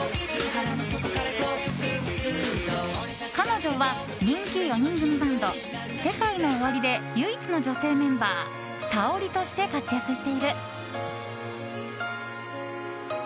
彼女は人気４人組バンドＳＥＫＡＩＮＯＯＷＡＲＩで唯一の女性メンバーＳａｏｒｉとして活躍している。